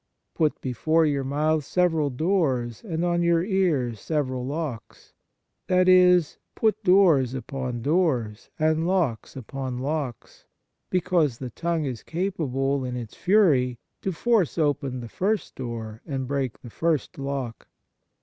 " Put before your mouth several doors and on your ears several locks " i.e., put doors upon doors and locks upon locks, because the tongue is capable, in its fury, to force open 47 Fraternal Charity the first door and break the first lock.